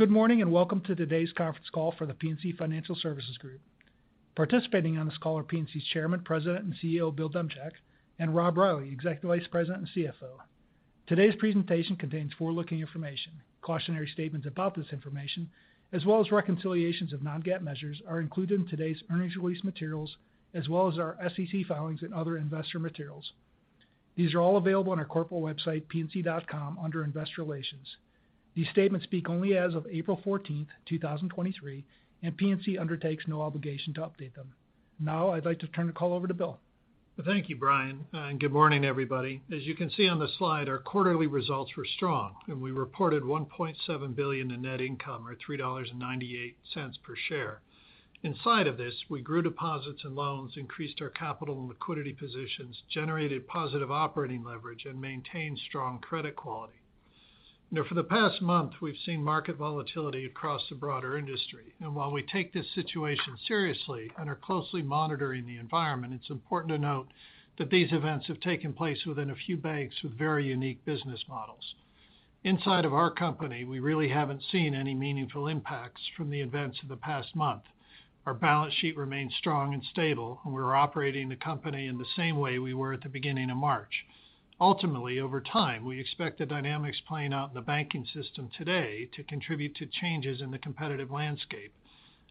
Well, good morning, and welcome to today's conference call for The PNC Financial Services Group. Participating on this call are PNC's Chairman, President, and CEO, Bill Demchak, and Rob Reilly Executive Vice President and CFO. Today's presentation contains forward-looking information. Cautionary statements about this information, as well as reconciliations of non-GAAP measures are included in today's earnings release materials, as well as our SEC filings and other investor materials. These are all available on our corporate website, pnc.com, under Investor Relations. These statements speak only as of April 14th, 2023, and PNC undertakes no obligation to update them. Now I'd like to turn the call over to Bill. Thank you, Brian, and good morning, everybody. As you can see on the slide, our quarterly results were strong, and we reported $1.7 billion in net income, or $3.98 per share. Inside of this, we grew deposits and loans, increased our capital and liquidity positions, generated positive operating leverage, and maintained strong credit quality. Now, for the past month, we've seen market volatility across the broader industry. While we take this situation seriously and are closely monitoring the environment, it's important to note that these events have taken place within a few banks with very unique business models. Inside of our company, we really haven't seen any meaningful impacts from the events of the past month. Our balance sheet remains strong and stable, and we're operating the company in the same way we were at the beginning of March. Ultimately, over time, we expect the dynamics playing out in the banking system today to contribute to changes in the competitive landscape.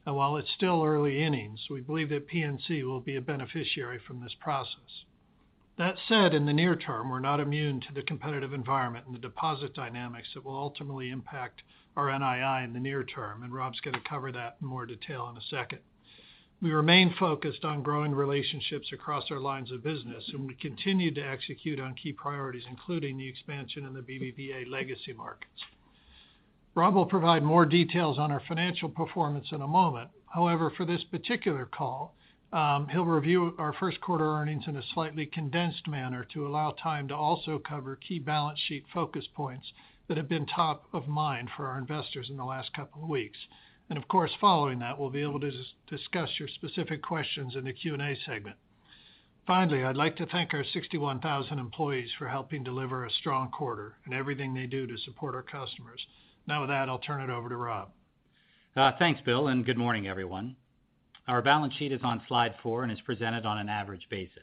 While it's still early innings, we believe that PNC will be a beneficiary from this process. That said, in the near term, we're not immune to the competitive environment and the deposit dynamics that will ultimately impact our NII in the near term. Rob's going to cover that in more detail in a second. We remain focused on growing relationships across our lines of business, and we continue to execute on key priorities, including the expansion in the BBVA legacy markets. Rob will provide more details on our financial performance in a moment. For this particular call, he'll review our first quarter earnings in a slightly condensed manner to allow time to also cover key balance sheet focus points that have been top of mind for our investors in the last couple of weeks. Of course, following that, we'll be able to discuss your specific questions in the Q&A segment. Finally, I'd like to thank our 61,000 employees for helping deliver a strong quarter and everything they do to support our customers. With that, I'll turn it over to Rob. Thanks, Bill, and good morning, everyone. Our balance sheet is on slide 4 and is presented on an average basis.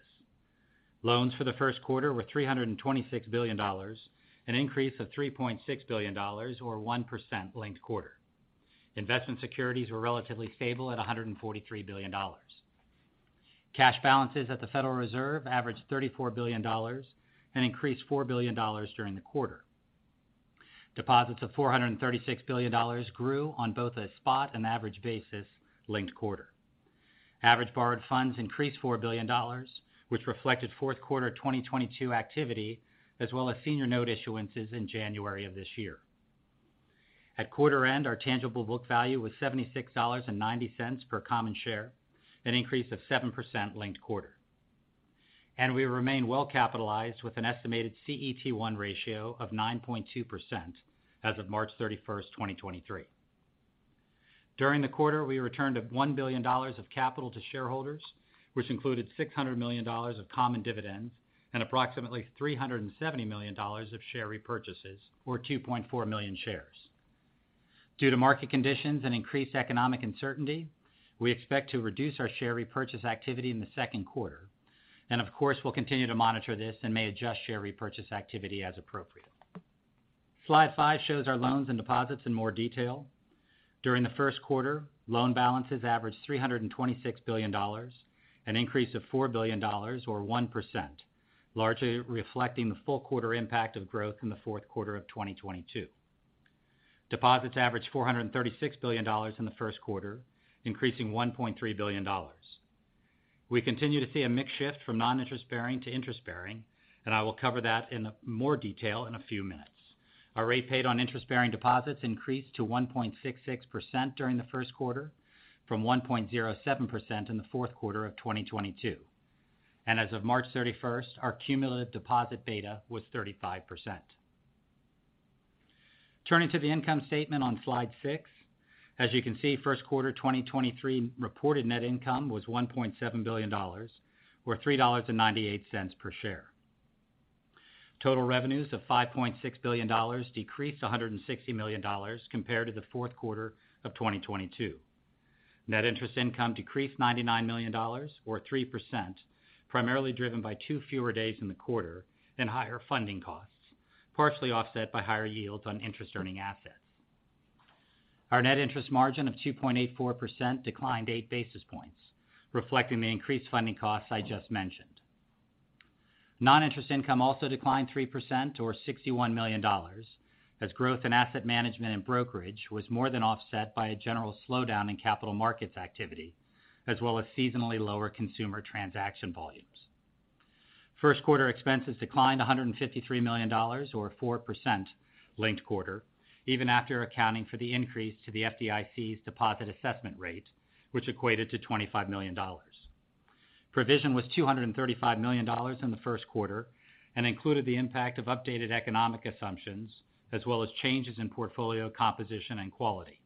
Loans for the first quarter were $326 billion, an increase of $3.6 billion or 1% linked quarter. Investment securities were relatively stable at $143 billion. Cash balances at the Federal Reserve averaged $34 billion and increased $4 billion during the quarter. Deposits of $436 billion grew on both a spot and average basis linked quarter. Average borrowed funds increased $4 billion, which reflected fourth quarter 2022 activity, as well as senior note issuances in January of this year. At quarter end, our tangible book value was $76.90 per common share, an increase of 7% linked quarter. We remain well capitalized with an estimated CET1 ratio of 9.2% as of March 31, 2023. During the quarter, we returned up $1 billion of capital to shareholders, which included $600 million of common dividends and approximately $370 million of share repurchases or 2.4 million shares. Due to market conditions and increased economic uncertainty, we expect to reduce our share repurchase activity in the second quarter. Of course, we'll continue to monitor this and may adjust share repurchase activity as appropriate. Slide 5 shows our loans and deposits in more detail. During the first quarter, loan balances averaged $326 billion, an increase of $4 billion or 1%, largely reflecting the full quarter impact of growth in the fourth quarter of 2022. Deposits averaged $436 billion in the first quarter, increasing $1.3 billion. We continue to see a mix shift from non-interest bearing to interest bearing, I will cover that in more detail in a few minutes. Our rate paid on interest bearing deposits increased to 1.66% during the first quarter from 1.07% in the fourth quarter of 2022. As of March 31st, our cumulative deposit beta was 35%. Turning to the income statement on slide 6. As you can see, first quarter 2023 reported net income was $1.7 billion or $3.98 per share. Total revenues of $5.6 billion decreased $160 million compared to the fourth quarter of 2022. Net interest income decreased $99 million or 3%, primarily driven by two fewer days in the quarter and higher funding costs, partially offset by higher yields on interest earning assets. Our net interest margin of 2.84% declined 8 basis points, reflecting the increased funding costs I just mentioned. Non-interest income also declined 3% or $61 million, as growth in asset management and brokerage was more than offset by a general slowdown in capital markets activity, as well as seasonally lower consumer transaction volumes. First quarter expenses declined $153 million or 4% linked quarter, even after accounting for the increase to the FDIC's deposit assessment rate, which equated to $25 million. Provision was $235 million in the first quarter and included the impact of updated economic assumptions as well as changes in portfolio composition and quality.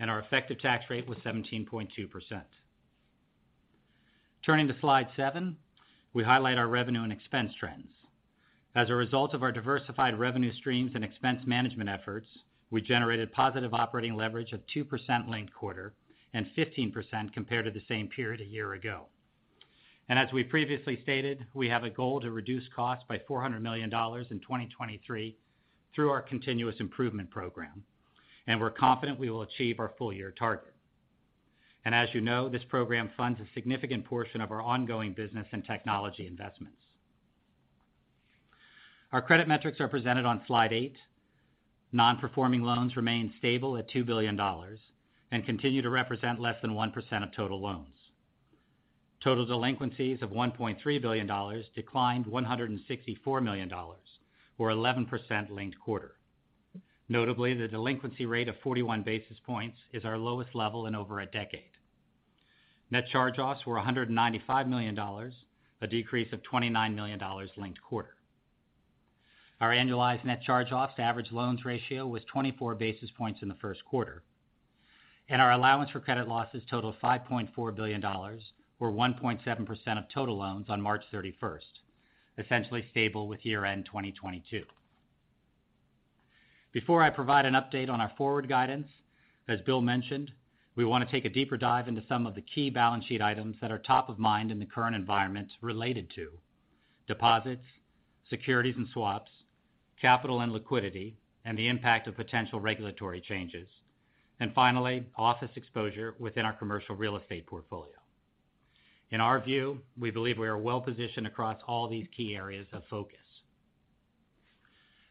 Our effective tax rate was 17.2%. Turning to slide 7, we highlight our revenue and expense trends. As a result of our diversified revenue streams and expense management efforts, we generated positive operating leverage of 2% linked quarter and 15% compared to the same period a year ago. As we previously stated, we have a goal to reduce costs by $400 million in 2023 through our continuous improvement program, and we're confident we will achieve our full year target. As you know, this program funds a significant portion of our ongoing business and technology investments. Our credit metrics are presented on slide 8. Non-performing loans remain stable at $2 billion and continue to represent less than 1% of total loans. Total delinquencies of $1.3 billion declined $164 million or 11% linked quarter. Notably, the delinquency rate of 41 basis points is our lowest level in over a decade. Net charge-offs were $195 million, a decrease of $29 million linked quarter. Our annualized net charge-offs to average loans ratio was 24 basis points in the first quarter, and our allowance for credit losses totaled $5.4 billion or 1.7% of total loans on March 31st, essentially stable with year-end 2022. Before I provide an update on our forward guidance, as Bill mentioned, we want to take a deeper dive into some of the key balance sheet items that are top of mind in the current environment related to deposits, securities and swaps, capital and liquidity, and the impact of potential regulatory changes, and finally, office exposure within our commercial real estate portfolio. In our view, we believe we are well-positioned across all these key areas of focus.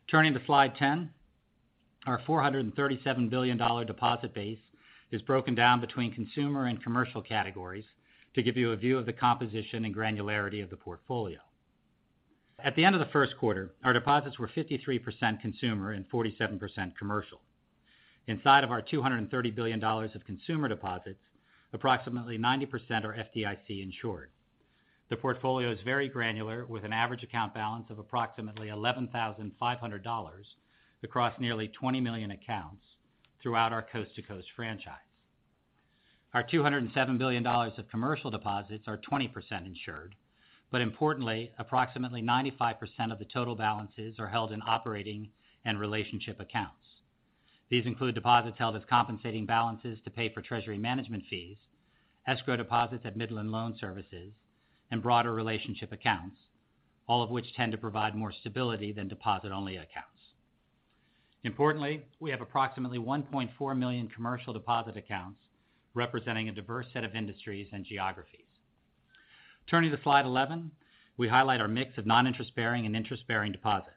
Turning to slide 10. Our $437 billion deposit base is broken down between consumer and commercial categories to give you a view of the composition and granularity of the portfolio. At the end of the first quarter, our deposits were 53% consumer and 47% commercial. Inside of our $230 billion of consumer deposits, approximately 90% are FDIC insured. The portfolio is very granular, with an average account balance of approximately $11,500 across nearly 20 million accounts throughout our coast to coast franchise. Our $207 billion of commercial deposits are 20% insured. Importantly, approximately 95% of the total balances are held in operating and relationship accounts. These include deposits held as compensating balances to pay for treasury management fees, escrow deposits at Midland Loan Services, and broader relationship accounts, all of which tend to provide more stability than deposit-only accounts. Importantly, we have approximately 1.4 million commercial deposit accounts representing a diverse set of industries and geographies. Turning to slide 11, we highlight our mix of non-interest bearing and interest-bearing deposits.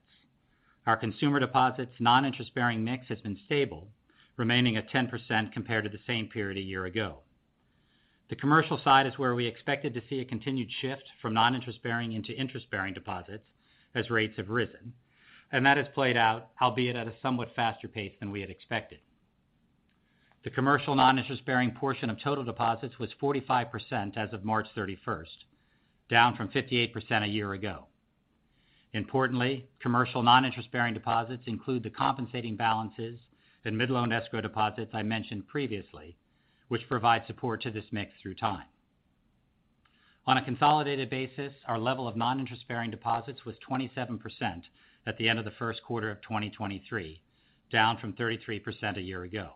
Our consumer deposits non-interest bearing mix has been stable, remaining at 10% compared to the same period a year ago. The commercial side is where we expected to see a continued shift from non-interest bearing into interest-bearing deposits as rates have risen, and that has played out, albeit at a somewhat faster pace than we had expected. The commercial non-interest bearing portion of total deposits was 45% as of March 31st, down from 58% a year ago. Importantly, commercial non-interest bearing deposits include the compensating balances and mid-loan escrow deposits I mentioned previously, which provide support to this mix through time. On a consolidated basis, our level of non-interest bearing deposits was 27% at the end of the first quarter of 2023, down from 33% a year ago.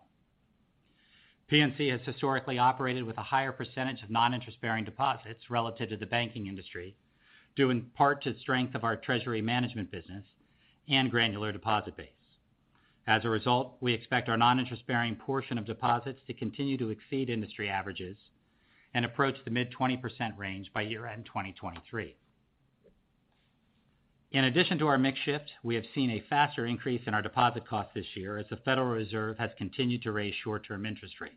PNC has historically operated with a higher percentage of non-interest bearing deposits relative to the banking industry due in part to the strength of our treasury management business and granular deposit base. As a result, we expect our non-interest bearing portion of deposits to continue to exceed industry averages and approach the mid 20% range by year-end 2023. In addition to our mix shift, we have seen a faster increase in our deposit cost this year as the Federal Reserve has continued to raise short-term interest rates.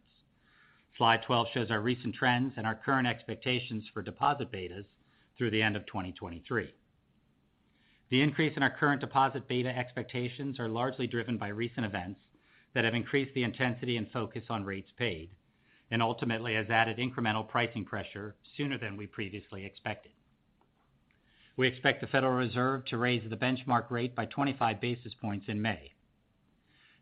Slide 12 shows our recent trends and our current expectations for deposit betas through the end of 2023. The increase in our current deposit beta expectations are largely driven by recent events that have increased the intensity and focus on rates paid and ultimately has added incremental pricing pressure sooner than we previously expected. We expect the Federal Reserve to raise the benchmark rate by 25 basis points in May.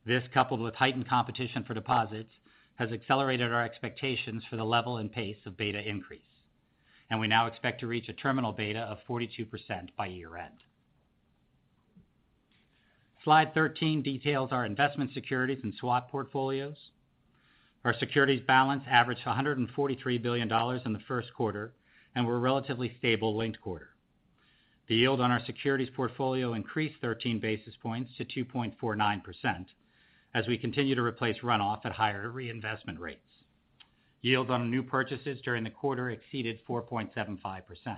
This, coupled with heightened competition for deposits, has accelerated our expectations for the level and pace of beta increase, and we now expect to reach a terminal beta of 42% by year end. Slide 13 details our investment securities and swap portfolios. Our securities balance averaged $143 billion in the first quarter and were relatively stable linked quarter. The yield on our securities portfolio increased 13 basis points to 2.49% as we continue to replace runoff at higher reinvestment rates. Yield on new purchases during the quarter exceeded 4.75%.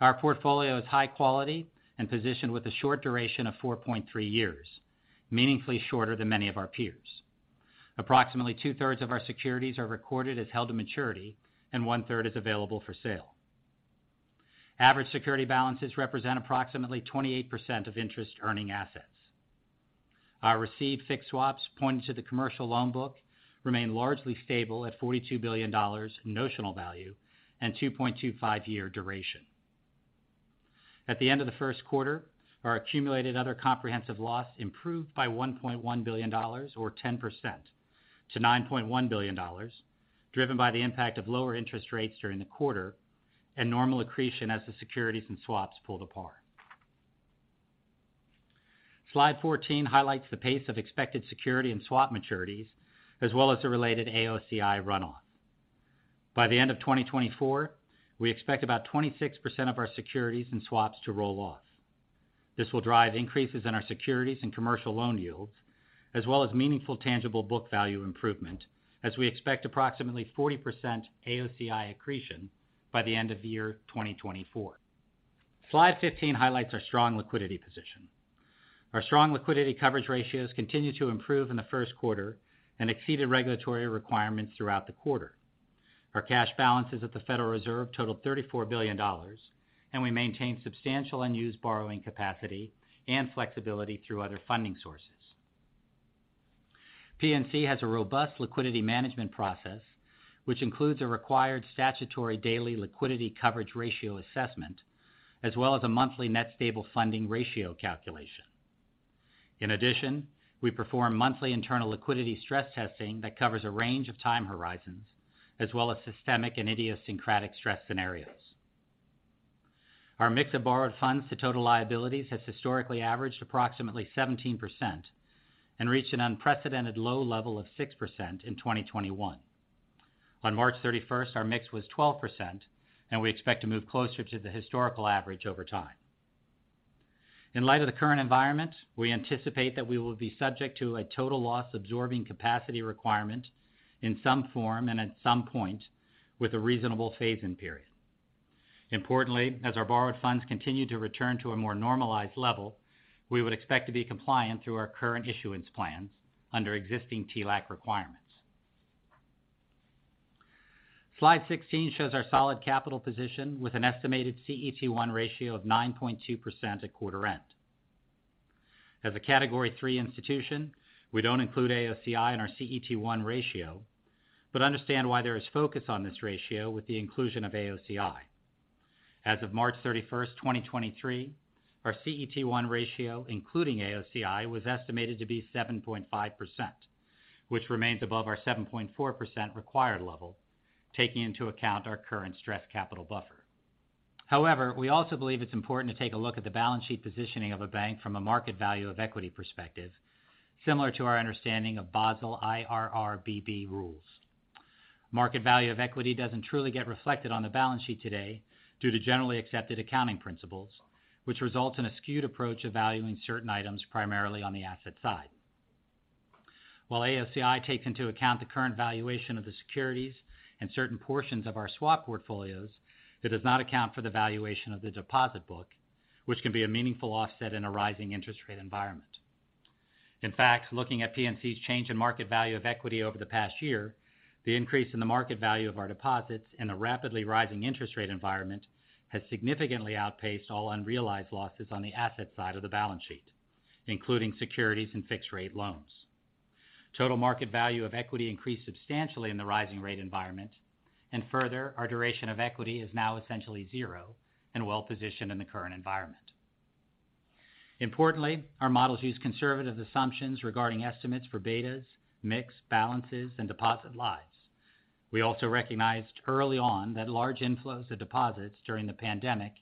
Our portfolio is high quality and positioned with a short duration of 4.3 years, meaningfully shorter than many of our peers. Approximately 2/3 of our securities are recorded as held to maturity, and 1/3 is available for sale. Average security balances represent approximately 28% of interest earning assets. Our received fixed swaps pointed to the commercial loan book remain largely stable at $42 billion notional value and 2.25 year duration. At the end of the first quarter, our accumulated other comprehensive loss improved by $1.1 billion or 10% to $9.1 billion, driven by the impact of lower interest rates during the quarter and normal accretion as the securities and swaps pulled apart. Slide 14 highlights the pace of expected security and swap maturities, as well as the related AOCI runoff. By the end of 2024, we expect about 26% of our securities and swaps to roll off. This will drive increases in our securities and commercial loan yields, as well as meaningful tangible book value improvement, as we expect approximately 40% AOCI accretion by the end of year 2024. Slide 15 highlights our strong liquidity position. Our strong liquidity coverage ratios continued to improve in the first quarter and exceeded regulatory requirements throughout the quarter. Our cash balances at the Federal Reserve totaled $34 billion, and we maintained substantial unused borrowing capacity and flexibility through other funding sources. PNC has a robust liquidity management process, which includes a required statutory daily liquidity coverage ratio assessment, as well as a monthly net stable funding ratio calculation. In addition, we perform monthly internal liquidity stress testing that covers a range of time horizons, as well as systemic and idiosyncratic stress scenarios. Our mix of borrowed funds to total liabilities has historically averaged approximately 17% and reached an unprecedented low level of 6% in 2021. On March 31st, our mix was 12%, and we expect to move closer to the historical average over time. In light of the current environment, we anticipate that we will be subject to a total loss absorbing capacity requirement in some form and at some point with a reasonable phase-in period. Importantly, as our borrowed funds continue to return to a more normalized level, we would expect to be compliant through our current issuance plans under existing TLAC requirements. Slide 16 shows our solid capital position with an estimated CET1 ratio of 9.2% at quarter end. As a Category III institution, we don't include AOCI in our CET1 ratio, but understand why there is focus on this ratio with the inclusion of AOCI. As of March 31st, 2023, our CET1 ratio, including AOCI, was estimated to be 7.5%, which remains above our 7.4% required level, taking into account our current stress capital buffer. We also believe it's important to take a look at the balance sheet positioning of a bank from a market value of equity perspective, similar to our understanding of Basel IRRBB rules. Market value of equity doesn't truly get reflected on the balance sheet today due to generally accepted accounting principles, which results in a skewed approach of valuing certain items primarily on the asset side. While AOCI takes into account the current valuation of the securities and certain portions of our swap portfolios, it does not account for the valuation of the deposit book, which can be a meaningful offset in a rising interest rate environment. In fact, looking at PNC's change in market value of equity over the past year, the increase in the market value of our deposits in a rapidly rising interest rate environment has significantly outpaced all unrealized losses on the asset side of the balance sheet, including securities and fixed rate loans. Total market value of equity increased substantially in the rising rate environment, and further, our duration of equity is now essentially zero and well-positioned in the current environment. Importantly, our models use conservative assumptions regarding estimates for betas, mix, balances, and deposit lives. We also recognized early on that large inflows of deposits during the pandemic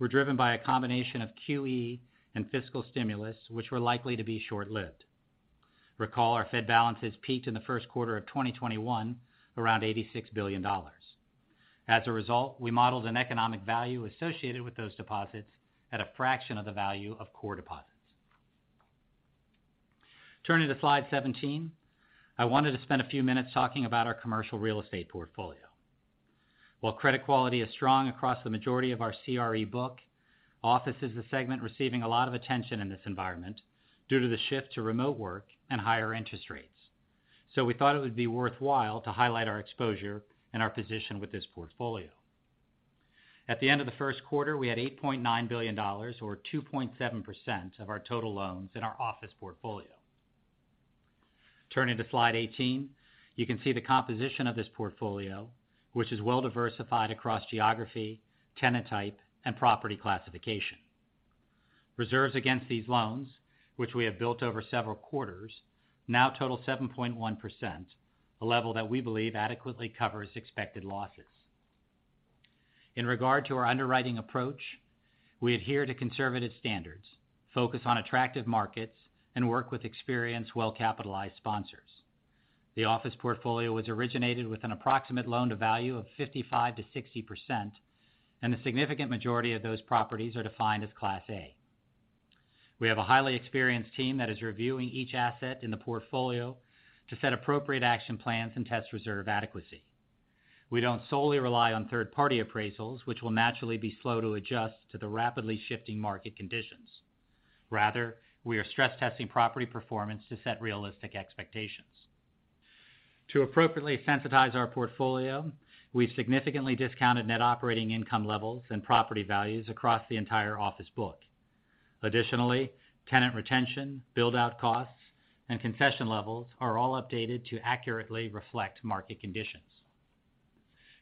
were driven by a combination of QE and fiscal stimulus, which were likely to be short-lived. Recall our Fed balances peaked in the first quarter of 2021 around $86 billion. We modeled an economic value associated with those deposits at a fraction of the value of core deposits. Turning to slide 17, I wanted to spend a few minutes talking about our commercial real estate portfolio. While credit quality is strong across the majority of our CRE book, office is the segment receiving a lot of attention in this environment due to the shift to remote work and higher interest rates. We thought it would be worthwhile to highlight our exposure and our position with this portfolio. At the end of the first quarter, we had $8.9 billion or 2.7% of our total loans in our office portfolio. Turning to slide 18, you can see the composition of this portfolio, which is well diversified across geography, tenant type, and property classification. Reserves against these loans, which we have built over several quarters, now total 7.1%, a level that we believe adequately covers expected losses. In regard to our underwriting approach, we adhere to conservative standards, focus on attractive markets, and work with experienced, well-capitalized sponsors. The office portfolio was originated with an approximate loan to value of 55%-60%, and a significant majority of those properties are defined as Class A. We have a highly experienced team that is reviewing each asset in the portfolio to set appropriate action plans and test reserve adequacy. We don't solely rely on third-party appraisals, which will naturally be slow to adjust to the rapidly shifting market conditions. Rather, we are stress testing property performance to set realistic expectations. To appropriately sensitize our portfolio, we've significantly discounted net operating income levels and property values across the entire office book. Additionally, tenant retention, build-out costs, and concession levels are all updated to accurately reflect market conditions.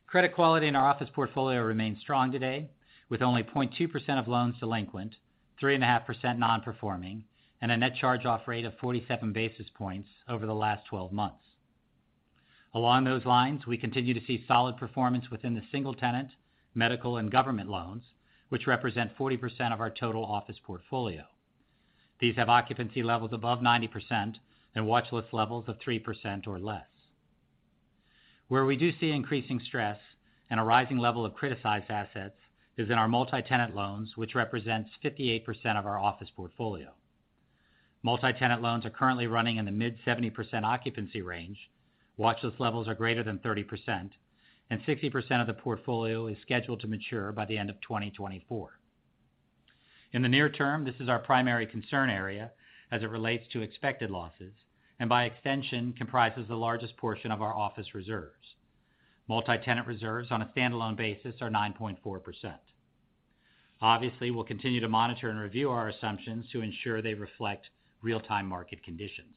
Credit quality in our office portfolio remains strong today, with only 0.2% of loans delinquent, 3.5% non-performing, and a net charge-off rate of 47 basis points over the last 12 months. Along those lines, we continue to see solid performance within the single-tenant medical and government loans, which represent 40% of our total office portfolio. These have occupancy levels above 90% and watchlist levels of 3% or less. Where we do see increasing stress and a rising level of criticized assets is in our multi-tenant loans, which represents 58% of our office portfolio. Multi-tenant loans are currently running in the mid 70% occupancy range. Watch list levels are greater than 30%, and 60% of the portfolio is scheduled to mature by the end of 2024. In the near term, this is our primary concern area as it relates to expected losses and by extension comprises the largest portion of our office reserves. Multi-tenant reserves on a standalone basis are 9.4%. Obviously, we'll continue to monitor and review our assumptions to ensure they reflect real-time market conditions.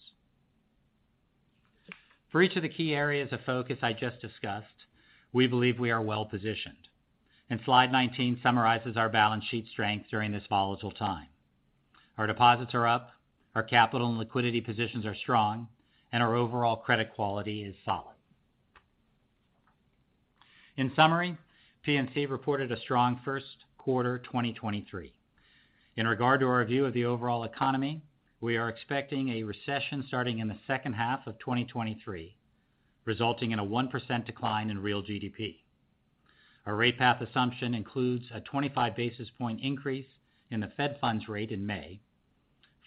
For each of the key areas of focus I just discussed, we believe we are well positioned, and slide 19 summarizes our balance sheet strength during this volatile time. Our deposits are up, our capital and liquidity positions are strong, and our overall credit quality is solid. In summary, PNC reported a strong first quarter 2023. In regard to our view of the overall economy, we are expecting a recession starting in the second half of 2023, resulting in a 1% decline in real GDP. Our rate path assumption includes a 25 basis point increase in the Fed funds rate in May.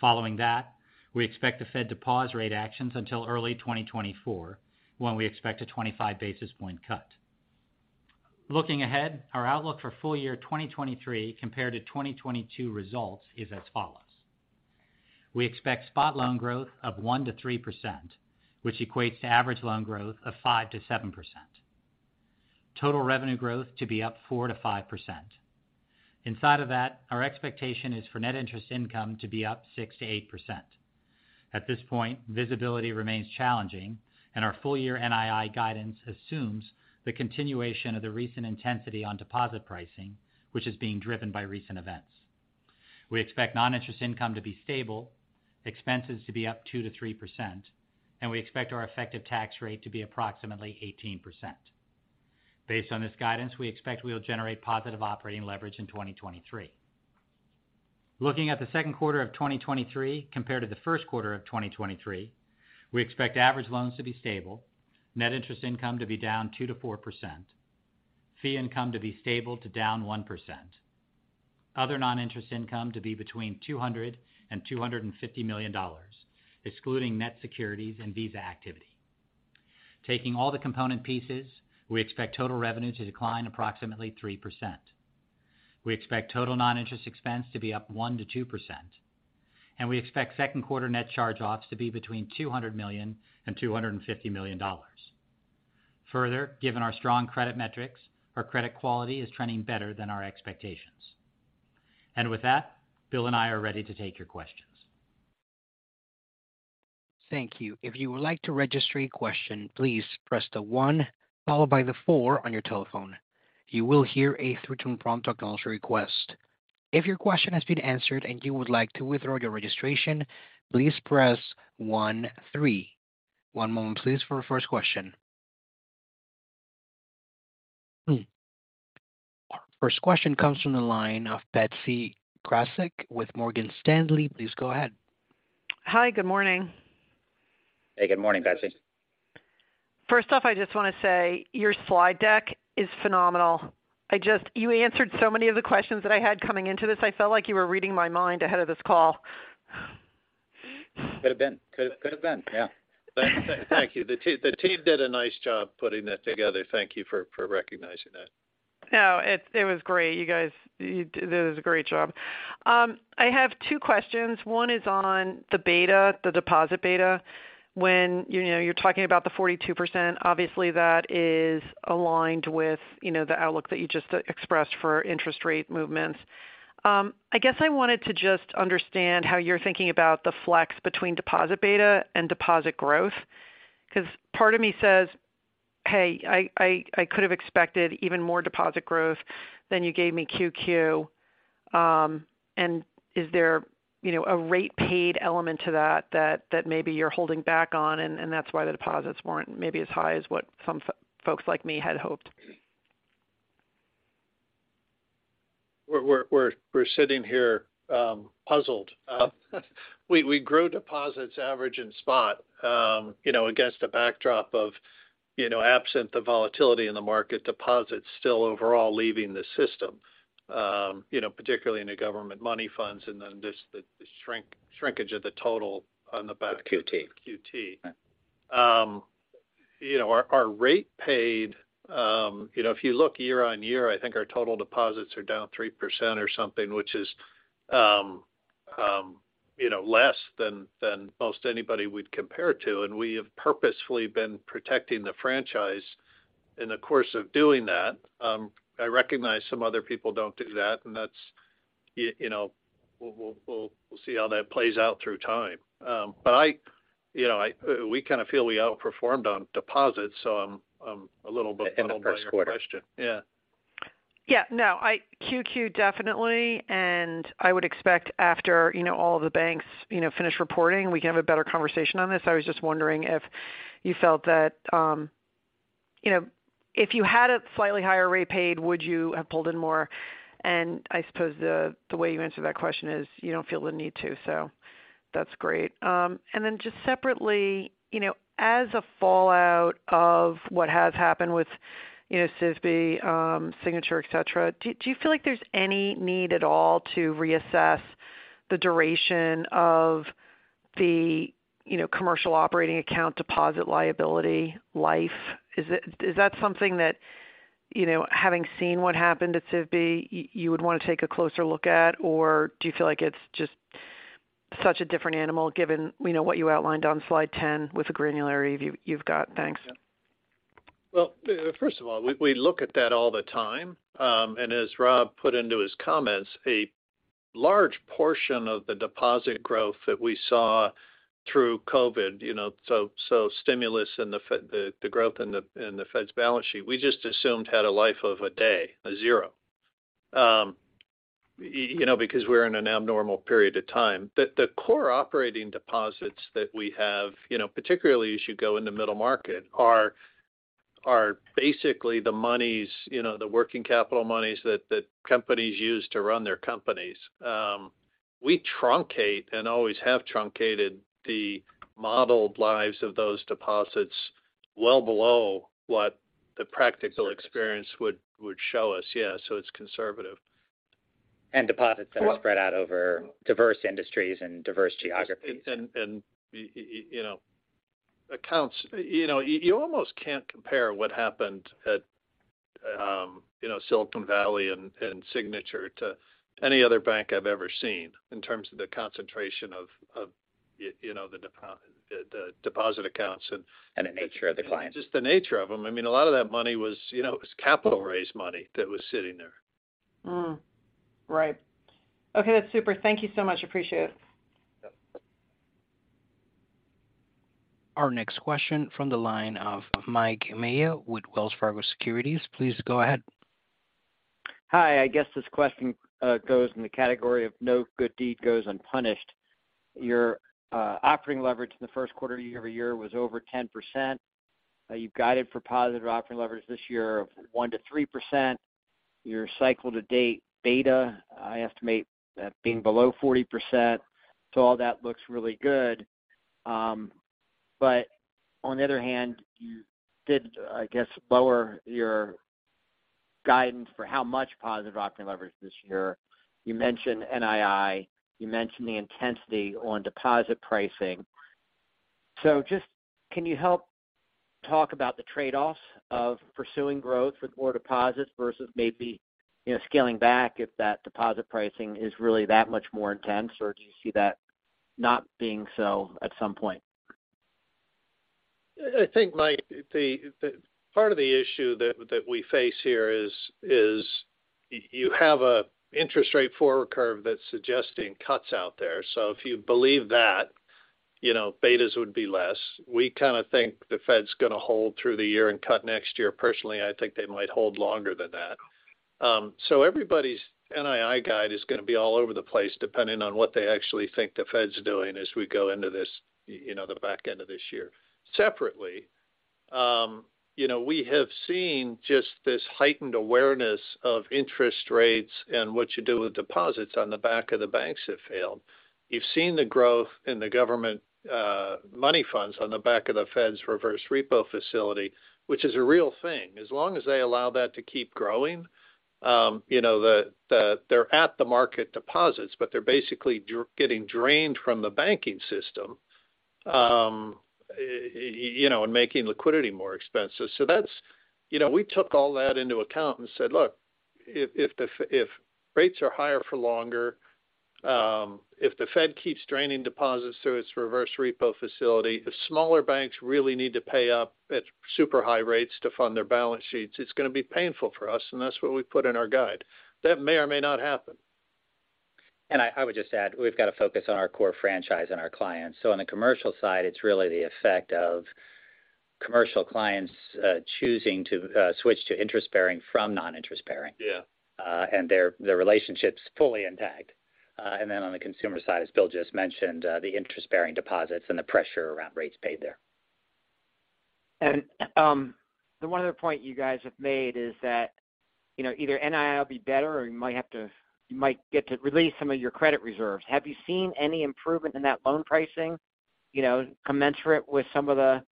Following that, we expect the Fed to pause rate actions until early 2024, when we expect a 25 basis point cut. Looking ahead, our outlook for full year 2023 compared to 2022 results is as follows. We expect spot loan growth of 1%-3%, which equates to average loan growth of 5%-7%. Total revenue growth to be up 4%-5%. Inside of that, our expectation is for net interest income to be up 6%-8%. At this point, visibility remains challenging and our full year NII guidance assumes the continuation of the recent intensity on deposit pricing, which is being driven by recent events. We expect non-interest income to be stable, expenses to be up 2%-3%, and we expect our effective tax rate to be approximately 18%. Based on this guidance, we expect we will generate positive operating leverage in 2023. Looking at the second quarter of 2023 compared to the first quarter of 2023, we expect average loans to be stable, net interest income to be down 2%-4%, fee income to be stable to down 1%. Other non-interest income to be between $200 million and $250 million, excluding net securities and Visa activity. Taking all the component pieces, we expect total revenue to decline approximately 3%. We expect total non-interest expense to be up 1%-2%, we expect second quarter net charge-offs to be between $200 million and $250 million. Further, given our strong credit metrics, our credit quality is trending better than our expectations. With that, Bill and I are ready to take your questions. Thank you. If you would like to register a question, please press the one followed by the four on your telephone. You will hear a 3-tone prompt acknowledge your request. If your question has been answered and you would like to withdraw your registration, please press one three. One moment please for the first question. First question comes from the line of Betsy Graseck with Morgan Stanley. Please go ahead. Hi. Good morning. Hey, good morning, Betsy. First off, I just want to say your slide deck is phenomenal. I just, you answered so many of the questions that I had coming into this. I felt like you were reading my mind ahead of this call. Could have been. Could have been, yeah. Thank you. The team did a nice job putting that together. Thank you for recognizing that. No, it was great. You guys did a great job. I have two questions. One is on the beta, the deposit beta. When, you know, you're talking about the 42%. Obviously, that is aligned with, you know, the outlook that you just expressed for interest rate movements. I guess I wanted to just understand how you're thinking about the flex between deposit beta and deposit growth. Part of me says, "Hey, I could have expected even more deposit growth than you gave me QQ." Is there, you know, a rate paid element to that maybe you're holding back on, and that's why the deposits weren't maybe as high as what some folks like me had hoped? We're sitting here puzzled. We grow deposits average in spot, you know, against a backdrop of, you know, absent the volatility in the market, deposits still overall leaving the system, you know, particularly in the government money funds and then just the shrinkage of the total on the back- QT. QT. You know, our rate paid, you know, if you look year-over-year, I think our total deposits are down 3% or something, which is, you know, less than most anybody we'd compare to. We have purposefully been protecting the franchise in the course of doing that. I recognize some other people don't do that, and that's you know, we'll see how that plays out through time. I, you know, I we kind of feel we outperformed on deposits, so I'm a little bit- In the first quarter.... by your question. Yeah. Yeah, no. Q2, definitely. I would expect after, you know, all of the banks, you know, finish reporting, we can have a better conversation on this. I was just wondering if you felt that, you know, if you had a slightly higher rate paid, would you have pulled in more? I suppose the way you answer that question is you don't feel the need to. That's great. Just separately, you know, as a fallout of what has happened with, you know, SVB, Signature, et cetera, do you feel like there's any need at all to reassess the duration of the, you know, commercial operating account deposit liability life? Is that something that, you know, having seen what happened at SVB, you would wanna take a closer look at? Do you feel like it's just such a different animal given, you know, what you outlined on slide 10 with the granularity you've got? Thanks. First of all, we look at that all the time. As Rob put into his comments, a large portion of the deposit growth that we saw through COVID, you know, so stimulus and the growth in the Fed's balance sheet, we just assumed had a life of a day, a zero. You know, because we're in an abnormal period of time. The core operating deposits that we have, you know, particularly as you go in the middle market, are basically the monies, you know, the working capital monies that companies use to run their companies. We truncate and always have truncated the modeled lives of those deposits well below what the practical experience would show us. Yeah, it's conservative. Deposits that are spread out over diverse industries and diverse geographies. You know, accounts. You know, you almost can't compare what happened at, you know, Silicon Valley and Signature Bank to any other bank I've ever seen in terms of the concentration of you know, the deposit accounts. The nature of the clients. Just the nature of them. I mean, a lot of that money was, you know, it was capital raise money that was sitting there. Right. Okay, that's super. Thank you so much. Appreciate it. Yep. Our next question from the line of Mike Mayo with Wells Fargo Securities. Please go ahead. Hi. I guess this question goes in the category of no good deed goes unpunished. Your operating leverage in the first quarter year-over-year was over 10%. You've guided for positive operating leverage this year of 1%-3%. Your cycle to date beta, I estimate that being below 40%. All that looks really good. On the other hand, you did, I guess, lower your guidance for how much positive operating leverage this year. You mentioned NII, you mentioned the intensity on deposit pricing. Just can you help talk about the trade-offs of pursuing growth with more deposits versus maybe, you know, scaling back if that deposit pricing is really that much more intense? Or do you see that not being so at some point? I think, Mike, the part of the issue that we face here is, you have an interest rate forward curve that's suggesting cuts out there. If you believe that, you know, betas would be less. We kind of think the Fed's gonna hold through the year and cut next year. Personally, I think they might hold longer than that. Everybody's NII guide is gonna be all over the place depending on what they actually think the Fed's doing as we go into this, you know, the back end of this year. Separately, you know, we have seen just this heightened awareness of interest rates and what you do with deposits on the back of the banks that failed. You've seen the growth in the government money funds on the back of the Fed's reverse repo facility, which is a real thing. As long as they allow that to keep growing, you know, the they're at the market deposits, but they're basically getting drained from the banking system, you know, and making liquidity more expensive. That's. You know, we took all that into account and said, look, if rates are higher for longer, if the Fed keeps draining deposits through its reverse repo facility, the smaller banks really need to pay up at super high rates to fund their balance sheets, it's gonna be painful for us, and that's what we put in our guide. That may or may not happen. I would just add, we've got to focus on our core franchise and our clients. On the commercial side, it's really the effect of commercial clients choosing to switch to interest-bearing from non-interest-bearing. Yeah. Their relationship's fully intact. Then on the consumer side, as Bill just mentioned, the interest-bearing deposits and the pressure around rates paid there. The one other point you guys have made is that, you know, either NII will be better or you might get to release some of your credit reserves. Have you seen any improvement in that loan pricing, you know, commensurate with some of the,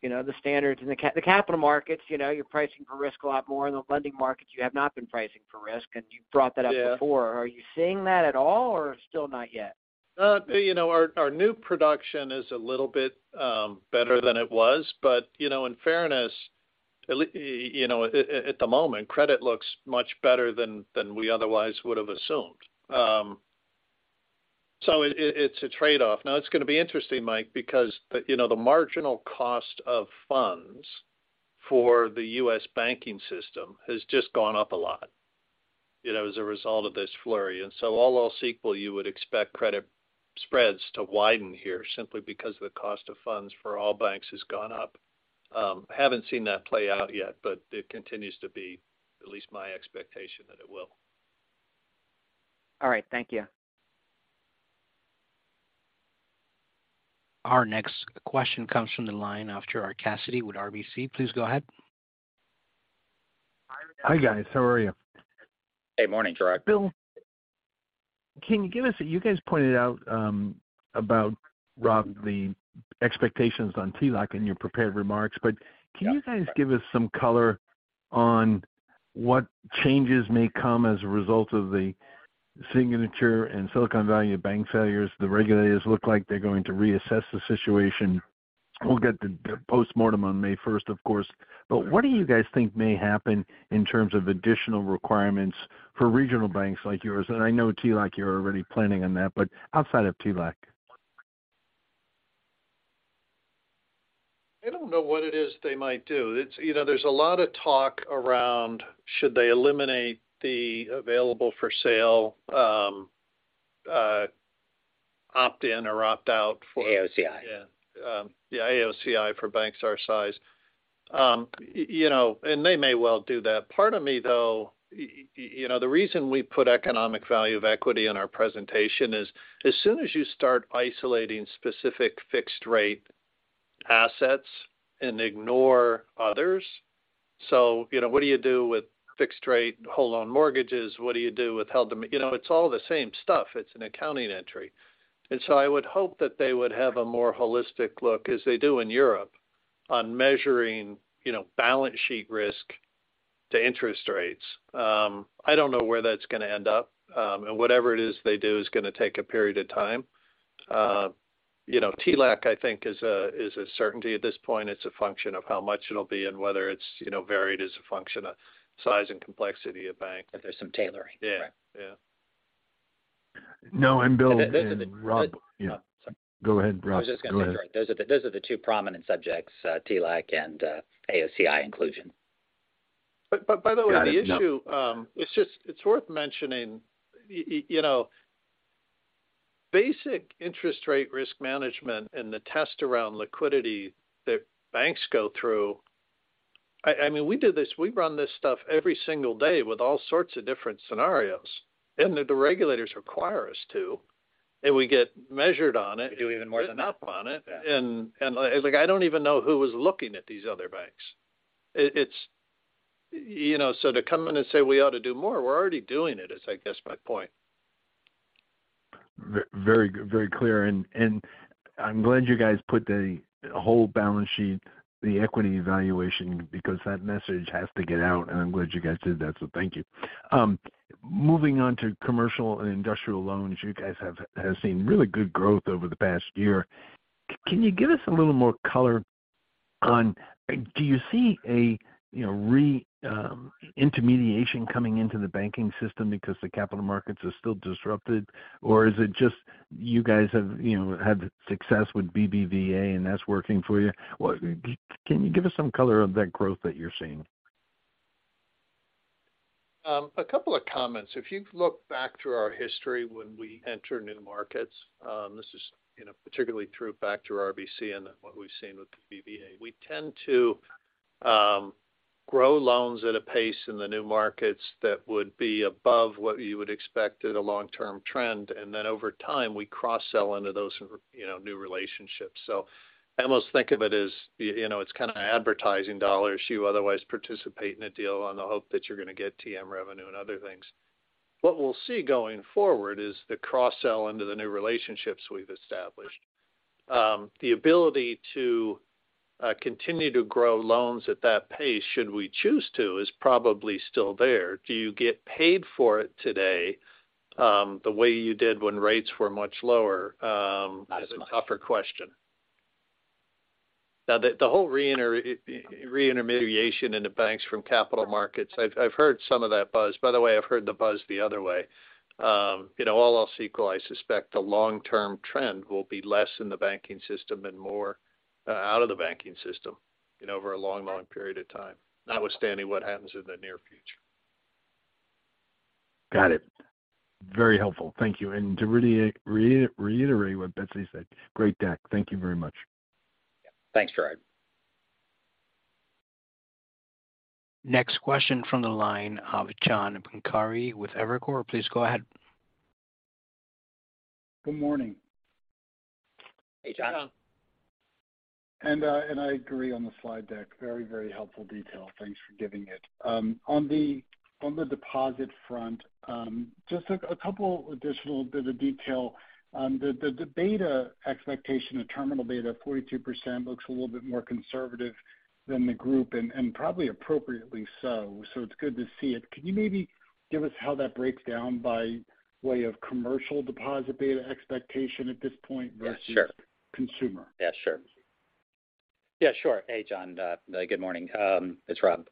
you know, the standards in the capital markets? You know, you're pricing for risk a lot more. In the lending markets, you have not been pricing for risk, and you brought that up before. Yeah. Are you seeing that at all or still not yet? You know, our new production is a little bit better than it was. You know, in fairness, you know, at the moment, credit looks much better than we otherwise would have assumed. It's a trade off. Now it's gonna be interesting, Mike, because, you know, the marginal cost of funds for the U.S. banking system has just gone up a lot, you know, as a result of this flurry. All else equal, you would expect credit spreads to widen here simply because the cost of funds for all banks has gone up. Haven't seen that play out yet, but it continues to be at least my expectation that it will. All right. Thank you. Our next question comes from the line of Gerard Cassidy with RBC. Please go ahead. Hi, guys. How are you? Hey, morning, Gerard. Bill, can you give us. You guys pointed out about Rob Reilly, the expectations on TLAC in your prepared remarks. Can you guys give us some color on what changes may come as a result of the Signature Bank and Silicon Valley Bank failures? The regulators look like they're going to reassess the situation. We'll get the postmortem on May first, of course. What do you guys think may happen in terms of additional requirements for regional banks like yours? I know TLAC, you're already planning on that, but outside of TLAC. I don't know what it is they might do. You know, there's a lot of talk around should they eliminate the available for sale, opt-in or opt-out. AOCI. Yeah. Yeah, AOCI for banks our size. You know, they may well do that. Part of me, though, you know, the reason we put economic value of equity in our presentation is, as soon as you start isolating specific fixed rate assets and ignore others, so, you know, what do you do with fixed rate whole loan mortgages? What do you do with held? You know, it's all the same stuff. It's an accounting entry. I would hope that they would have a more holistic look as they do in Europe on measuring, you know, balance sheet risk to interest rates. I don't know where that's gonna end up. Whatever it is they do is gonna take a period of time. You know, TLAC, I think, is a certainty at this point. It's a function of how much it'll be and whether it's, you know, varied as a function of size and complexity of bank. If there's some tailoring. Yeah. Yeah. No, and Bill and Rob. Sorry. Go ahead, Rob. Go ahead. I was just gonna say, those are the two prominent subjects, TLAC and AOCI inclusion. By the way, the issue, it's just it's worth mentioning, you know, basic interest rate risk management and the test around liquidity that banks go through. I mean, we do this. We run this stuff every single day with all sorts of different scenarios, and the regulators require us to, and we get measured on it. We do even more than that. Report on it. Yeah. Like, I don't even know who was looking at these other banks. It's. You know, to come in and say we ought to do more, we're already doing it, is I guess my point. Very, very clear. And I'm glad you guys put the whole balance sheet, the equity evaluation, because that message has to get out, and I'm glad you guys did that. Thank you. Moving on to commercial and industrial loans. You guys have seen really good growth over the past year. Can you give us a little more color on do you see a, you know, re intermediation coming into the banking system because the capital markets are still disrupted? Or is it just you guys have, you know, had success with BBVA, and that's working for you? Can you give us some color of that growth that you're seeing? A couple of comments. If you look back through our history when we enter new markets, this is, you know, particularly true back to RBC and then what we've seen with the BBVA. We tend to grow loans at a pace in the new markets that would be above what you would expect at a long-term trend. Over time, we cross-sell into those, you know, new relationships. I almost think of it as, you know, it's kinda advertising dollars. You otherwise participate in a deal on the hope that you're gonna get TM revenue and other things. What we'll see going forward is the cross-sell into the new relationships we've established. The ability to continue to grow loans at that pace, should we choose to, is probably still there. Do you get paid for it today, the way you did when rates were much lower? Not as much. That's a tougher question. Now the whole reintermediation in the banks from capital markets, I've heard some of that buzz. By the way, I've heard the buzz the other way. you know, all else equal, I suspect the long-term trend will be less in the banking system and more out of the banking system, you know, over a long, long period of time, notwithstanding what happens in the near future. Got it. Very helpful. Thank you. To really reiterate what Betsy said, great deck. Thank you very much. Thanks, Gerard. Next question from the line of John Pancari with Evercore. Please go ahead. Good morning. Hey, John. I agree on the slide deck. Very, very helpful detail. Thanks for giving it. On the deposit front, just a couple additional bit of detail. The beta expectation, the terminal beta of 42% looks a little bit more conservative than the group and probably appropriately so. It's good to see it. Can you maybe give us how that breaks down by way of commercial deposit beta expectation at this point versus- Yeah, sure. Consumer? Yeah, sure. Yeah, sure. Hey, John. good morning. It's Rob.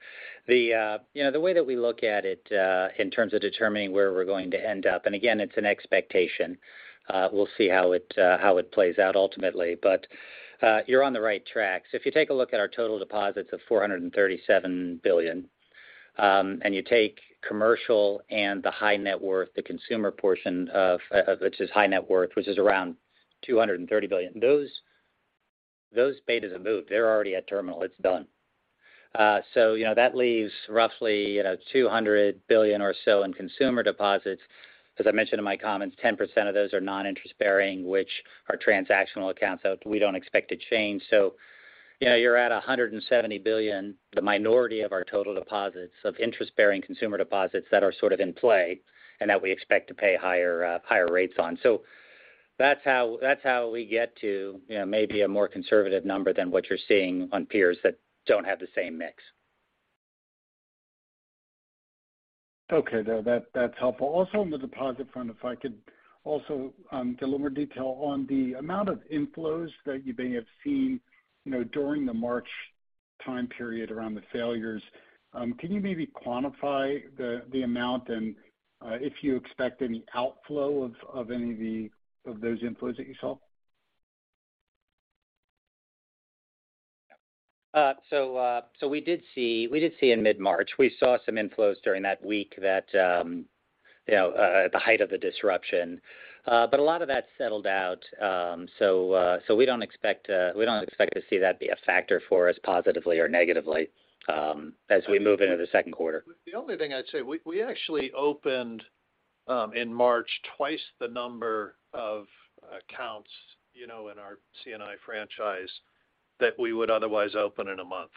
The, you know, the way that we look at it, in terms of determining where we're going to end up, and again, it's an expectation, we'll see how it, how it plays out ultimately. You're on the right track. If you take a look at our total deposits of $437 billion, and you take commercial and the high net worth, the consumer portion of which is high net worth, which is around $230 billion, those betas have moved. They're already at terminal. It's done. You know, that leaves roughly, you know, $200 billion or so in consumer deposits. As I mentioned in my comments, 10% of those are non-interest-bearing, which are transactional accounts that we don't expect to change. You know, you're at $170 billion, the minority of our total deposits of interest-bearing consumer deposits that are sort of in play and that we expect to pay higher rates on. That's how, that's how we get to, you know, maybe a more conservative number than what you're seeing on peers that don't have the same mix. Okay. No, that's helpful. On the deposit front, if I could also deliver detail on the amount of inflows that you may have seen, you know, during the March time period around the failures. Can you maybe quantify the amount and if you expect any outflow of those inflows that you saw? We did see in mid-March. We saw some inflows during that week that, you know, at the height of the disruption. A lot of that settled out. We don't expect to see that be a factor for us positively or negatively as we move into the second quarter. The only thing I'd say, we actually opened in March twice the number of accounts, you know, in our C&I franchise that we would otherwise open in a month.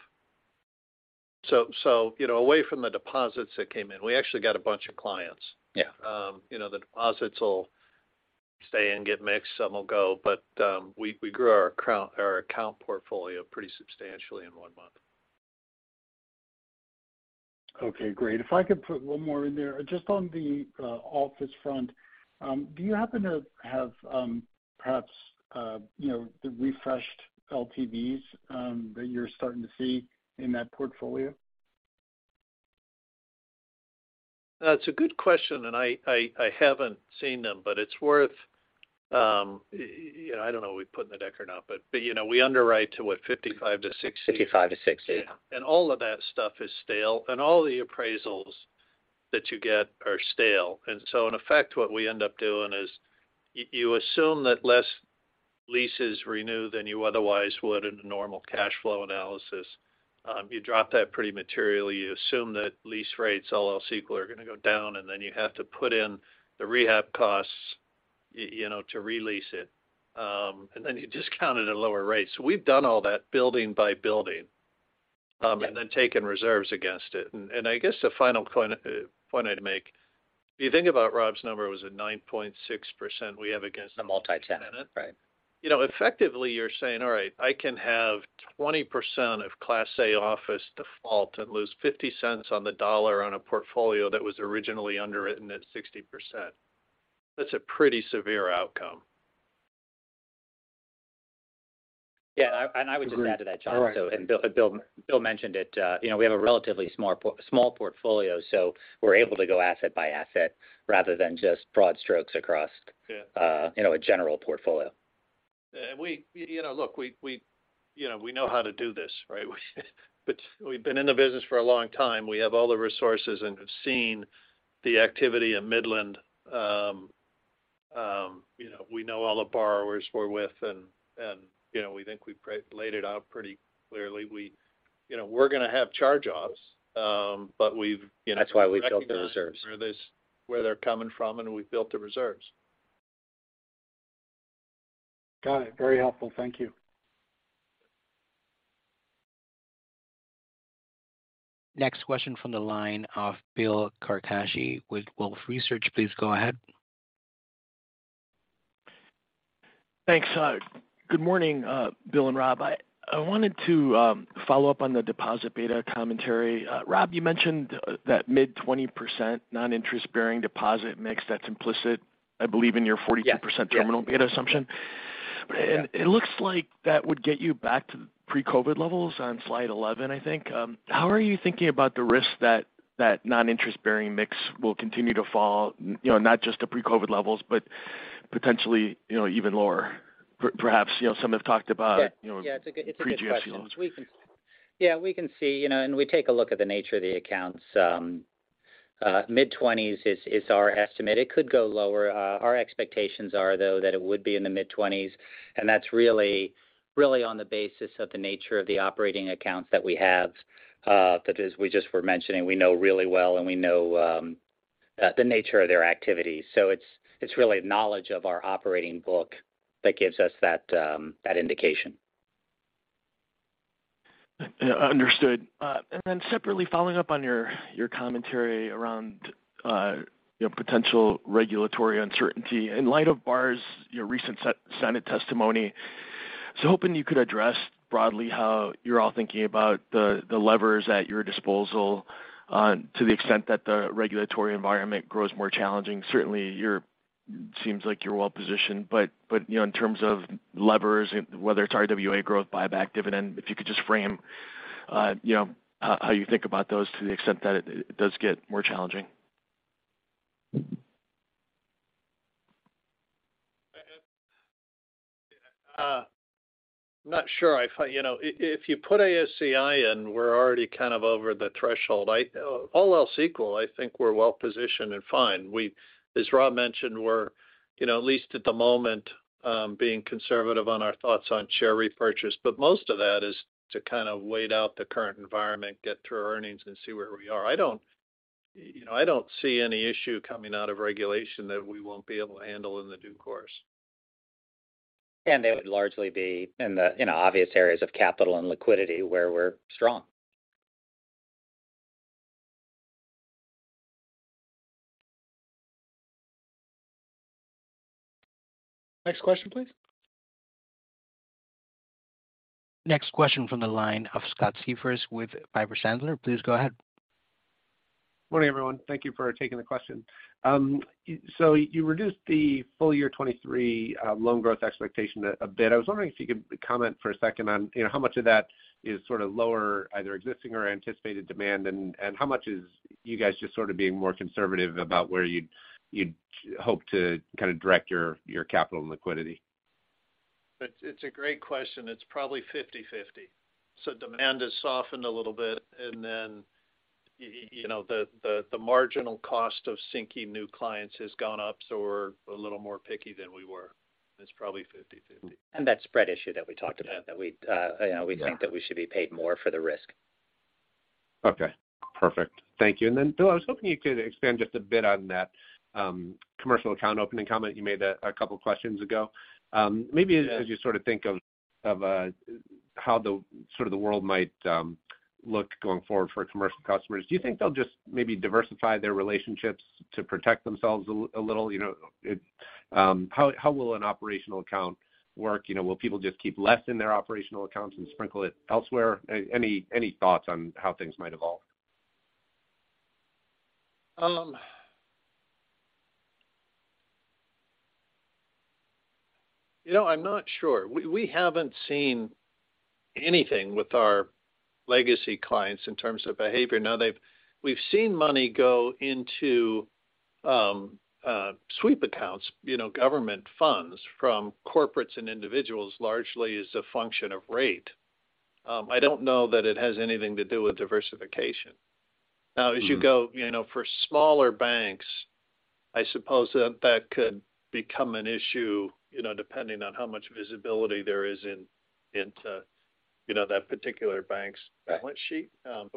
Away from the deposits that came in, we actually got a bunch of clients. Yeah. You know, the deposits will stay and get mixed, some will go, we grew our account portfolio pretty substantially in one month. Okay, great. If I could put one more in there. Just on the office front, do you happen to have, perhaps, you know, the refreshed LTVs, that you're starting to see in that portfolio? That's a good question, and I haven't seen them. It's worth, you know, I don't know if we put in the deck or not, but, you know, we underwrite to, what, 55-60? 55 to 60. All of that stuff is stale, and all the appraisals that you get are stale. In effect, what we end up doing is you assume that less leases renew than you otherwise would in a normal cash flow analysis. You drop that pretty materially. You assume that lease rates, all else equal, are gonna go down, and then you have to put in the rehab costs you know, to re-lease it. Then you discount it at lower rates. We've done all that building by building. Yeah. Then taken reserves against it. I guess the final point I'd make, if you think about Rob's number, it was at 9.6% we have. The multi-tenant. Isn't it? Right. You know, effectively you're saying, all right, I can have 20% of Class A office default and lose $0.50 on the dollar on a portfolio that was originally underwritten at 60%. That's a pretty severe outcome. Yeah. I, and I would just add to that, John. All right. Bill mentioned it, you know, we have a relatively small portfolio. So we're able to go asset by asset rather than just broad strokes across-. Yeah. You know, a general portfolio. Yeah. You know, look, we, you know, we know how to do this, right? We've been in the business for a long time. We have all the resources and have seen the activity in Midland. You know, we know all the borrowers we're with and, you know, we think we've laid it out pretty clearly. We, you know, we're gonna have charge-offs, but we've, you know- That's why we've built the reserves.... recognized where they're coming from, and we've built the reserves. Got it. Very helpful. Thank you. Next question from the line of Bill Carcache with Wolfe Research. Please go ahead. Thanks. Good morning, Bill and Rob. I wanted to follow up on the deposit beta commentary. Rob, you mentioned that mid-20% non-interest-bearing deposit mix that's implicit, I believe, in your 42% terminal beta assumption. Yeah. It looks like that would get you back to pre-COVID levels on slide 11, I think. How are you thinking about the risk that that non-interest-bearing mix will continue to fall, you know, not just to pre-COVID levels, but potentially, you know, even lower? Perhaps, you know, some have talked about, you know. Yeah. Yeah. It's a good question. pre-GFC levels. Yeah, we can see, you know, we take a look at the nature of the accounts. Mid-twenties is our estimate. It could go lower. Our expectations are, though, that it would be in the mid-twenties, that's really on the basis of the nature of the operating accounts that we have, that as we just were mentioning, we know really well and we know the nature of their activities. It's really knowledge of our operating book that gives us that indication. Understood. Separately following up on your commentary around, you know, potential regulatory uncertainty. In light of Barr's, you know, recent senate testimony, I was hoping you could address broadly how you're all thinking about the levers at your disposal, to the extent that the regulatory environment grows more challenging. Certainly, you're. Seems like you're well positioned. You know, in terms of levers, whether it's RWA growth, buyback dividend, if you could just frame, you know, how you think about those to the extent that it does get more challenging. I'm not sure. I thought, you know, if you put AOCI in, we're already kind of over the threshold. All else equal, I think we're well positioned and fine. As Rob mentioned, we're, you know, at least at the moment, being conservative on our thoughts on share repurchase. Most of that is to kind of wait out the current environment, get through our earnings, and see where we are. I don't, you know, I don't see any issue coming out of regulation that we won't be able to handle in the due course. They would largely be in the, you know, obvious areas of capital and liquidity where we're strong. Next question, please. Next question from the line of Scott Siefers with Piper Sandler. Please go ahead. Morning, everyone. Thank you for taking the question. You reduced the full year 23 loan growth expectation a bit. I was wondering if you could comment for a second on, you know, how much of that is sort of lower, either existing or anticipated demand, and how much is you guys just sort of being more conservative about where you'd hope to kind of direct your capital and liquidity? It's a great question. It's probably 50/50. Demand has softened a little bit, and then, you know, the marginal cost of syncing new clients has gone up, we're a little more picky than we were. It's probably 50/50. That spread issue that we talked about that we, you know, we think that we should be paid more for the risk. Okay. Perfect. Thank you. Bill, I was hoping you could expand just a bit on that, commercial account opening comment you made a couple questions ago. Maybe as you sort of think of how the, sort of the world might, look going forward for commercial customers. Do you think they'll just maybe diversify their relationships to protect themselves a little, you know, how will an operational account work? You know, will people just keep less in their operational accounts and sprinkle it elsewhere? Any thoughts on how things might evolve? You know, I'm not sure. We haven't seen anything with our legacy clients in terms of behavior. Now we've seen money go into sweep accounts, you know, government funds from corporates and individuals largely as a function of rate. I don't know that it has anything to do with diversification. Now, as you go, you know, for smaller banks, I suppose that that could become an issue, you know, depending on how much visibility there is in, into, you know, that particular bank's balance sheet.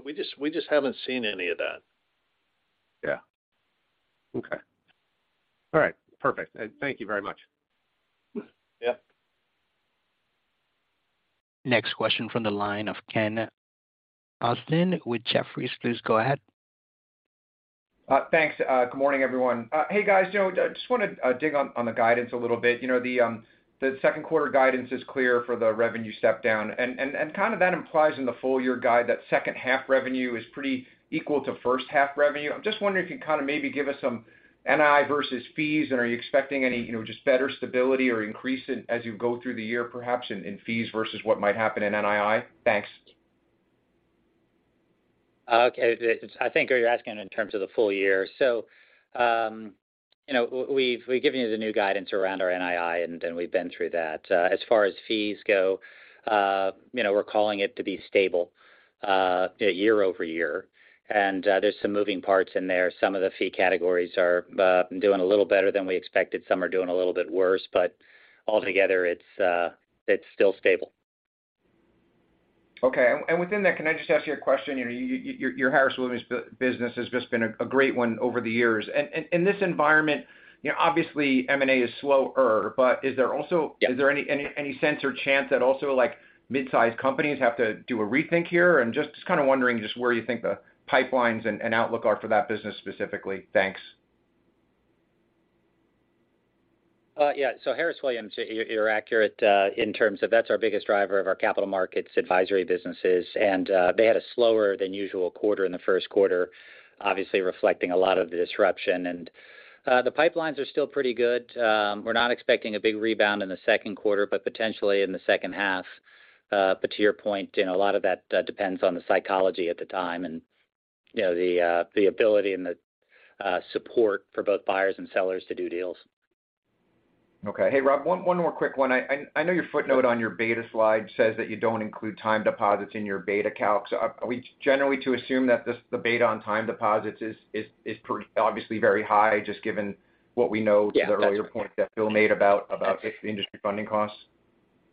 We just haven't seen any of that. Yeah. Okay. All right. Perfect. Thank you very much. Yeah. Next question from the line of Ken Usdin with Jefferies. Please go ahead. Thanks. Good morning, everyone. Hey, guys, you know, I just wanna dig on the guidance a little bit. You know the second quarter guidance is clear for the revenue step down, and kind of that implies in the full year guide that second half revenue is pretty equal to first half revenue. I'm just wondering if you kind of maybe give us some NII versus fees and are you expecting any, you know, just better stability or increase as you go through the year perhaps in fees versus what might happen in NII? Thanks. Okay. I think you're asking in terms of the full year. You know, we've given you the new guidance around our NII, and we've been through that. As far as fees go, you know, we're calling it to be stable, you know, year-over-year. There's some moving parts in there. Some of the fee categories are doing a little better than we expected, some are doing a little bit worse. Altogether, it's still stable. Okay. Within that, can I just ask you a question? You know, your Harris Williams business has just been a great one over the years. In this environment, you know, obviously M&A is slower. Is there also- Yeah.... Is there any sense or chance that also, like, mid-size companies have to do a rethink here? I'm just kind of wondering just where you think the pipelines and outlook are for that business specifically. Thanks. Harris Williams, you're accurate in terms of that's our biggest driver of our capital markets advisory businesses. They had a slower than usual quarter in the first quarter, obviously reflecting a lot of the disruption. The pipelines are still pretty good. We're not expecting a big rebound in the second quarter, but potentially in the second half. To your point, you know, a lot of that depends on the psychology at the time and, you know, the ability and the support for both buyers and sellers to do deals. Okay. Hey, Rob, one more quick one. I know your footnote on your beta slide says that you don't include time deposits in your beta calc. Are we generally to assume that the beta on time deposits is pretty obviously very high just given what we know- Yeah. to the earlier point that Bill made about industry funding costs?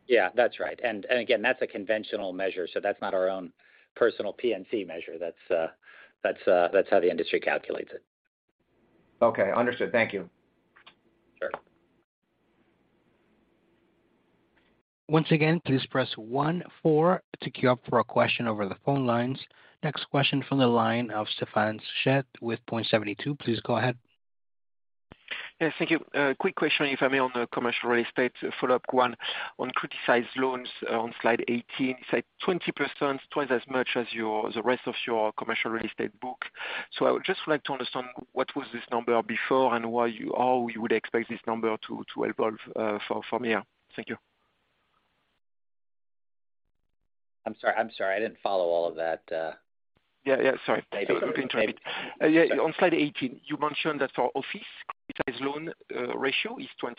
Yeah. That's right. Again, that's a conventional measure, so that's not our own personal PNC measure. That's how the industry calculates it. Okay. Understood. Thank you. Sure. Once again, please press one four to queue up for a question over the phone lines. Next question from the line of Stefan Shed with Point72. Please go ahead. Yes, thank you. Quick question, if I may, on the commercial real estate. Follow-up, [one], on criticized loans on slide 18, you said 20%, twice as much as the rest of your commercial real estate book. I would just like to understand what was this number before and why how you would expect this number to evolve from here? Thank you. I'm sorry, I'm sorry, I didn't follow all of that. Yeah, yeah, sorry. David. On slide 18, you mentioned that our office credit as loan, ratio is 20%.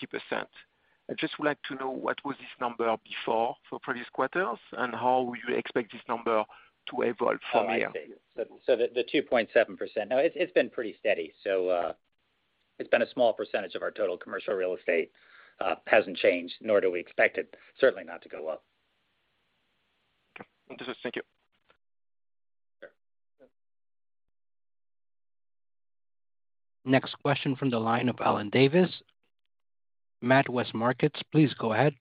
I just would like to know what was this number before for previous quarters, and how you expect this number to evolve from here? Oh, I see. 2.7%. No, it's been pretty steady. it's been a small percentage of our total commercial real estate. hasn't changed, nor do we expect it certainly not to go up. This is thank you. Sure. Next question from the line of Alan Davies, NatWest Markets. Please go ahead.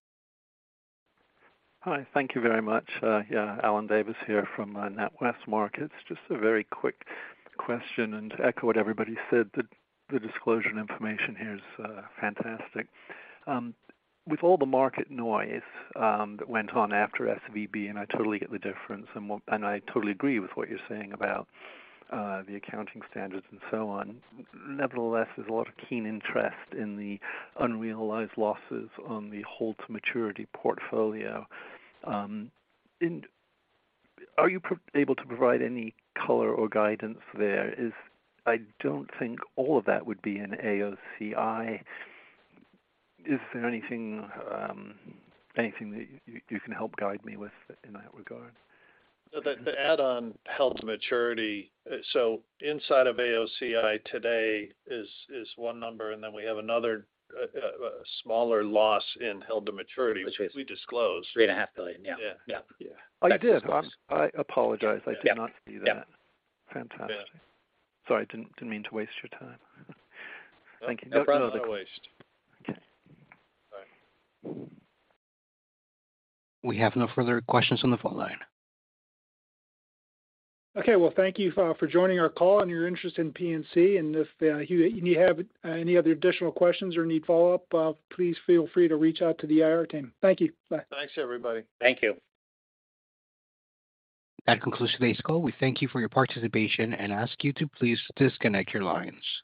Hi. Thank you very much. Yeah, Alan Davies here from NatWest Markets. Just a very quick question, and to echo what everybody said, the disclosure information here is fantastic. With all the market noise that went on after SVB, and I totally get the difference and I totally agree with what you're saying about the accounting standards and so on. Nevertheless, there's a lot of keen interest in the unrealized losses on the hold-to-maturity portfolio. Are you able to provide any color or guidance there? I don't think all of that would be in AOCI. Is there anything that you can help guide me with in that regard? The add on held to maturity. Inside of AOCI today is one number, and then we have another smaller loss in held to maturity. Which was- which we disclosed. Three and a half billion. Yeah. Yeah. Yeah. Oh, you did. Well, I apologize. I did not see that. Yeah. Fantastic. Yeah. Sorry. Didn't mean to waste your time. Thank you. No problem. No waste. Okay. Bye. We have no further questions on the phone line. Okay. Well, thank you, for joining our call and your interest in PNC. If, you have any other additional questions or need follow-up, please feel free to reach out to the IR team. Thank you. Bye. Thanks, everybody. Thank you. That concludes today's call. We thank you for your participation and ask you to please disconnect your lines.